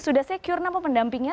sudah secure nama pendampingnya